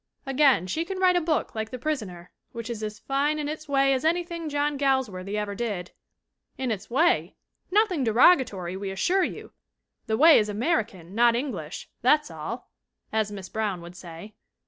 Again, she can write a book like The Pris oner, which is as fine in its way as anything John Galsworthy ever did. In its way? Nothing deroga tory, we assure you ! The way is American, not Eng lish; that's all (as Miss Brown would say).